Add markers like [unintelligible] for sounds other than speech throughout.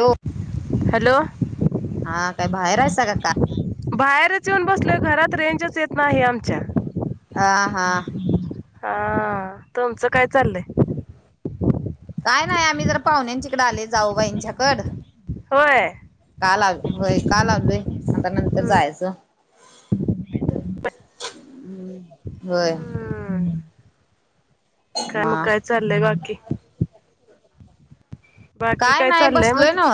हो हॅलो हा काय बाहेरयच का आता बाहेरच येऊन बसलोय घरात रेंजच येत नाही आमच्या आ हा हा तुमचं काय चाललंय काय नाही आम्ही जर पाहुण्यांच्याकडे आले जाऊबाईंच्याकड होय का लाव होय का लावलोय आता नंतर हम्म. जायचं हम् होय हम्म. काय मग म काय चाललंय ग बाकी बाकी काय नाही चाललंय म्हण बसलोय ना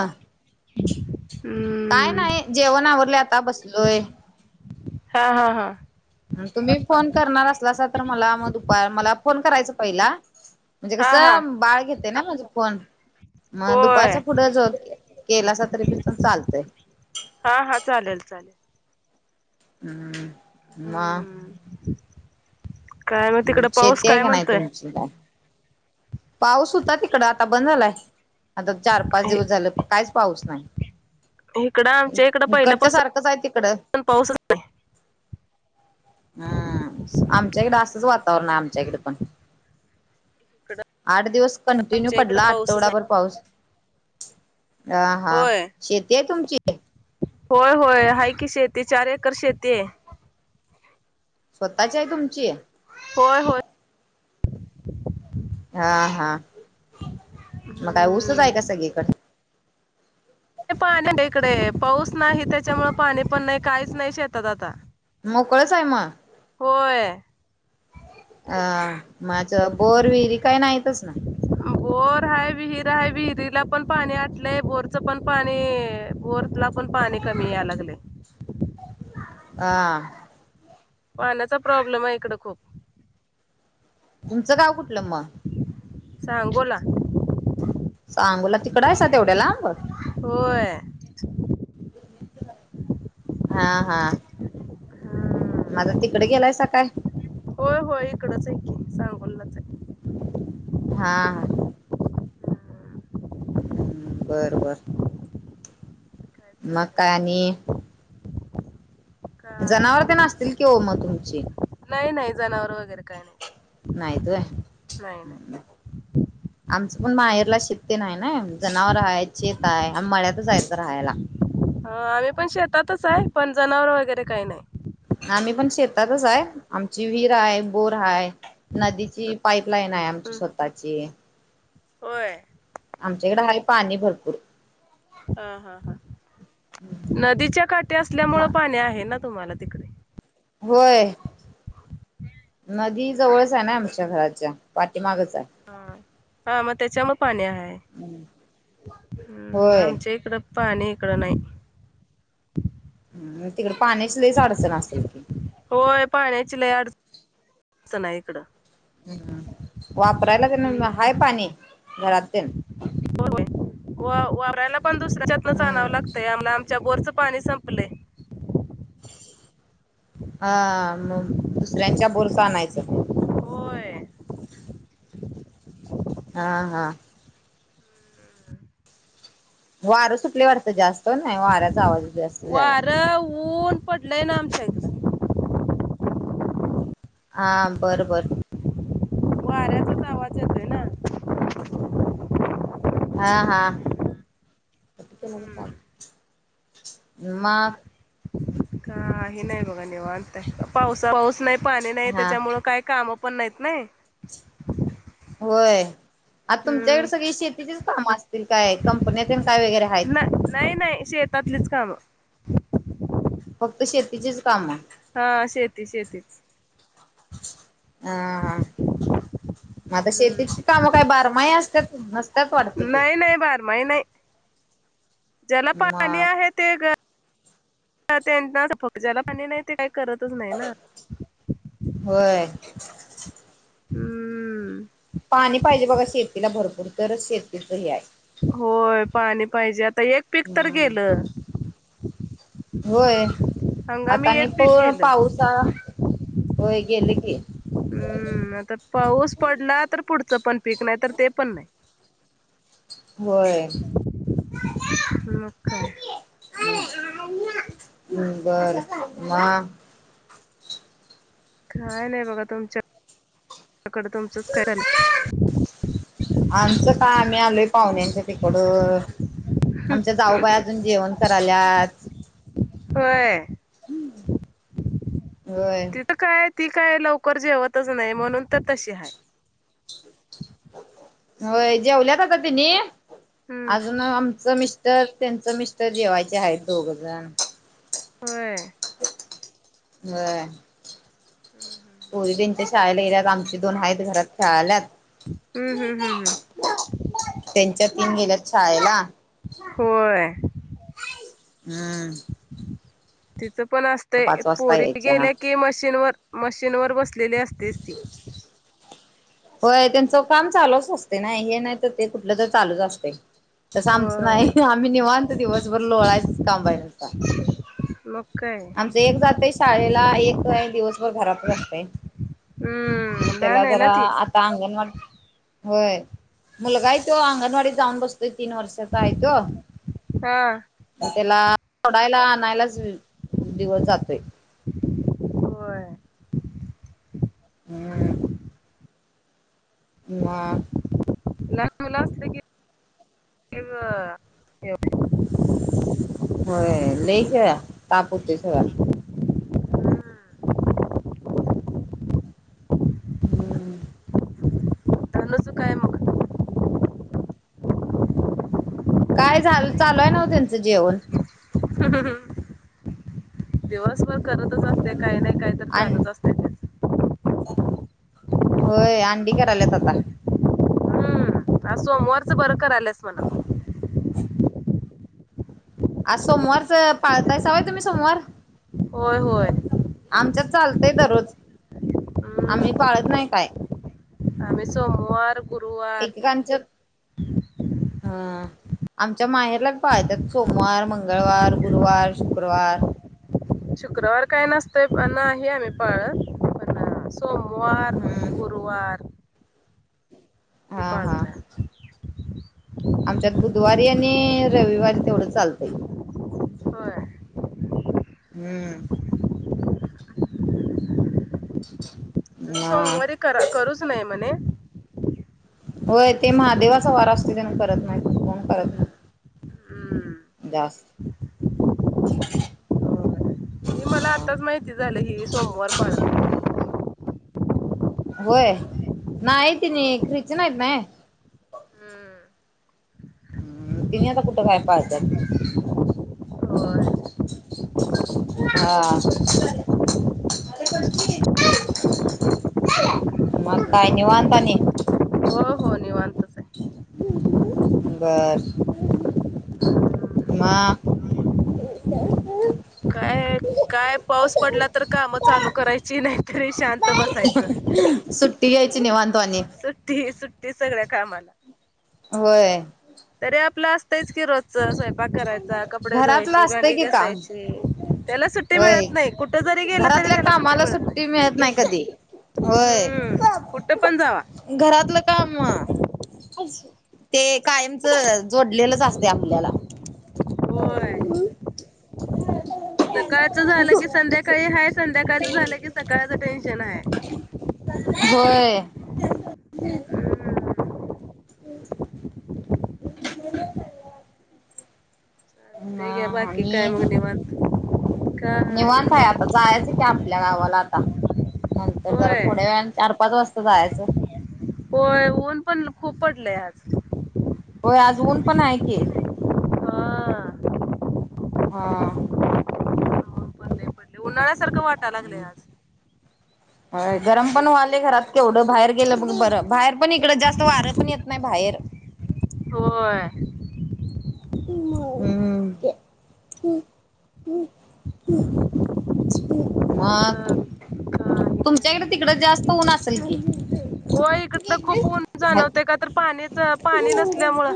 काय हम्म नाही जेवणा आवरले आता बसलोय हा हा हा तुम्ही फोन करणार असला तर मला मग दुपार मला फोन करायचा पहिला म्हणजे हा हा कसं बाळ घेते ना म्हणजे फोण मग होय दुपारचा पुढे जो केला अस तरी पी पण चालतंय हा हा चालेल चालेल हम् हम्म म काय मग तिकड पाऊस शेती आहे काय नाही म्हणतोय तुमची का पाऊस होता तिकडं आता बंद झालाय आता चार पाच दिवस इ- झाले काहीच पाऊस इकडं नाही आमच्या इकडं इकडच्या पहिल्यापासून सारखंच आहे तिकडं पाऊसच हम् आमच्याकडे असतंच वातावरण आहे आमच्याकडे पण इकडं आठ दिवस कंटिन्यू आमच्या पडला इकडं पाऊसच आठवडाभर नाही पाऊस होय [unintelligible] होय होय हा की शेती चार एकर शेती आहे स्वतःची आहे तुमची होय होय हा हा मग काय ऊसच आहे हम्म का सगळीकडे पाणी इकडे पा मोकळच आहे मग होय अ माझं बोर विरी काय नाहीतच ना बोर हा विहिर ह विहिरीला पण पाणी आटलंय बोरच पण पाणी बोरला पण पाणी कमी या लागले हह पाण्याचा प्रॉब्लेम आहे इकडं खूप तुमचं गाव कुठलं मग सांगोला सांबोला तिकड आहेस तेवढ्याला अंब होय हा हा माझा तिकडे गेलायचा काय हो हो इकडंच आहेी सांगच हा ह् बरं बरं काय चाललंय मग मकानी जनावर ते ना काही असतील की हो मग तुमची नाही नाही जनावर वगैरे काय नाही यत नाही नाही हम् आमचं पण माहेरला शेतते नाही ना जनावर आहे चेेत आहे मळ्यात जायचं राहायला ह आम्ही पण शेतातच आहे पण जनावर वगैरे काही नाही आम्ही पण शेतातच आहे आमची विहीर हम्म. आहे बोर आहे नदीची पाईपलाईन आहे आमची हम्म. स्वतःची होय. आमच्याकडें आहे पाणी भरपूर हा हा हा नदीच्या काठी म असल्यामुळे पाणी आहे ना तुम्हाला तिकडे व्हय नदी जवळच हम्म. आहे ना आमच्या घराच्या पाठीमागेच आहे. हा हा मग त्याच्यामूळ पाणी आहे हम्म होय आमच्या इकडं पाणी इकड नाही हम्म तिकड पाण्याची लयच अडचन असल की होय पाण्याची लय अडचण आहे इकडं हम् वापरायला की नाय हम्म हाय पाणी घरातून होय वापरायला पण दुसऱ्याच्यातनच आणावं हम्म लागतय आमला आमच्या बोरचं पाणी संपलंय हा मग दुसऱ्यांच्या बोरचं आणायचं होय. हा हा. वारं सुटले वाटतं जास्त नाही वाऱ्याचा आवाज जास्त झाला वारं ऊन पडलंय ना आमच्या इथ हा बरं बरं. वाऱ्याचाच आवाज येत हा हा [unintelligible] म काही नाय बघा निवांत आहे पाऊ पाऊस नाही पाणी नाही हा त्याच्यामुळे काय काम पण नाहीत नाय व्हय आता तुमच्याकडे हम्म सगळी शेतीचीच काम असतील काय कंपन्यात काय वगैरे आहेत ना नाही नाही शेतातलीच कामं फक्त शेतीचेच काम आहे हा शेती शेतीच हा हा मग आता हम्म शेतीची कामं काही बारमाही असतात वाटते की नाही नाही बारमाही नाय. ज्याला पाणी मग आहे ते त्यां त्यांनाच आहे फक्त ज्याला पाणी नाही ते काही करतच नाही ना व्हय. हम्म. पाणी पाहिजे बघा शेतीला भरपूर तरच शेतीच हे आहे. होय पाणी पाहिजे आता एक पीक तर गेलं व्हय आता हंगामी आणि एक पीक पण गेलं पाऊसा होय गेल की हम्म आता पाऊस पडला तर पुढचं पण पीक नाही तर ते पण नाही व्हय. मग काय बरं म काय नाही बघा तुमच्याकडे तुमचंच काय झालं आमचं काय आम्ही आलोय पाहुण्यांच्या तिकड आमच्या जाऊबाई अजून जेवण कराल्यात व्हय. हम्म व्हय. तिथं काय ती काय लवकर जेवतच नाही म्हणून तर तशी हाय होय जेवल्यात होता तिने हम्म अजून आमचं मिस् टर त्यांचं मिस्टर जेवायचे आहेत दोघ जण व्हय. व्हय. हम्म हम्म हम्म. हो त्यांच्या शाळेला गेल्यात आमचे दोन आहेत घरात शाळालात हम्म हम्म हम्म हम्म. त्यांच्या तीन गेल्या शाळेला होय. हम्म तिचं पण असतय पाच वाजता पोरी यायच्या गेल्या की मशीनवरर मशीन वर बसलेली असतेच ती होय त्यांचं काम चालूच असते ना हे नाही तर ते कुठलं तर चालूच असते तसं आमचं होय नाही आम्ही निवनत दिवसभर लोळायचंच कामबाहिरच मक आमचं एक जातय शाळेला एक दिवसभर घरात बसतय हम्म मला लहान आहे ना तरा ती अंगणवाडी होय मुलगाय तो अंगणवाडीत जाऊन बसतो तीन वर्षाचा आहे तो हा त्याला सोडायला आणायलाच दिवस जातोय होय हम् ना लहान मुला असलं की होय लचे तापोते डा हम्म धनुच काय मग काय झा चालूय नाव त्यांचं जेवण ह् हम ह दिवसभर करतच असते काय नाही काय तर आणि चालत असते त्याच होय अंडी क आल्यात आता ह सोमवारचं बरं कर आलंस मला आज सोमवारच पाळताय सवय तुम्ही सोमवार होय होय आमच्यात चालतंय दररोज आम्ही पाळत नाही काय आम् सोमवार गुरुवार एक कांच हा आमच्या माहेरलाच पातत सोमवार मंगळवार गुरुवार शुक्रवार शुक्रवार काय नसतंय पण नाही आम्ही पळत पण हम्म सोमवारर वार हा हा पाळतोय आम्ही. आमच्यात बुधवारी आणि रविवारी तेवढं चालतंय होय हम्म हा सोमवारी करा करूच नाही म्हणे होय ते महादेवाचा वारा असतो त्यांना करत नाहीत कोण करत नाहीत हम्म. दास हे मला हा आत्ताच माहिती झालं हे सोमवार पण होय नायती होय नाही ख्रिचन यत ना हम्म! हम्म तिने आता कुठं काय पाहतात होय हा! म काय चालतंय. निवांत्ताने हो हो निवांत बरं मा काय काय पाऊस पडला तर काम चालू करायची नाहीतरी शांत बसायचं सुट्टी यायची निवांतवनी सुट्टी सुट्टी सगळ्या कामाला होय! तरी आपलं असतंच की रोजचं स्वयंपाक करायचा कपडे घरातलं धुवायची असतंय भांडी की काम घासायची. त्याला सुट्टी होय मिळत नाही कुठ जरी गेलं तरी घरातल्या त्याला सुट्टी कामाला मिळत नाही. नाही कधी होय हम्म कुठं पण जावा घरातलं काम म ते कायमच जोडलेलंच असते आपल्याला होय. सकाळचं झालं की संध्याकाळी हाय संध्याकाळचं झालं की सकाळचं टेन्शन आहे होय. [unintelligible] अ ह ते ग बाकी काय मग निवांत मत का? निवांतय हाय आता जायचं की आपल्या गावाला आता नंतर जरा होय थोड्या वेळेने चार पाच वासत्ता जायचं. होय ऊन पण खूप पडलंय आज. होय! आज ऊन पण आहे की हा हा. ऊन पडले पडले उन्हाळ्यासारखं वाटा लागलय आज हो गरम पण वाले घरात केवढं बाहेर गेलं बग ब बाहेर पण इकडं जास्त वारं पण येत नाही बाहेर. होय! हम्म. हम्म. मग काही नाही तुमच्याकडे बाबा तिकड जास्त ऊन असेल की होय इकडं खूप ऊन हाय. जाणवतंय का तर पाणीच पाणी नसल्यामुळं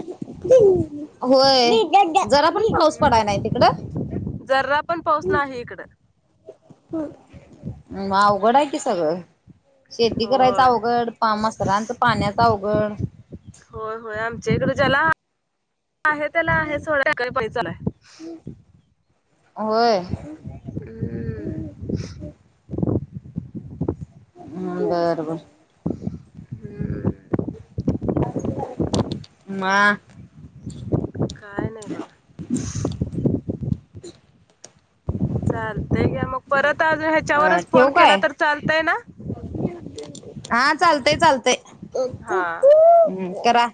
होय जरा पण पाऊस पडा नाही तिकडं जरा पण पाऊस नाही इकडं. मा अवघड आहे कि सगळं. शेती करायच होय अवघड पामसरांच पाण्याच अवघड होय होय आमच्या इकडे ज्याला आहे त्याला आहे सोड पैसा आहे. होय. हम्म बरबर. हम्. म.. ग. काय नाही बघा. हम्. चालतय घ्या मग परत अज ह्याच्यावरच ठेवू फोन केला काय तर चालतय ना. हा चालतय चालतय. ू हा करा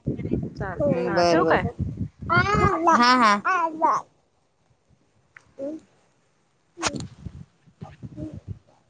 चालतंय हा बर ठेवू काय बर. ह हा ह. हम् हम् हम्.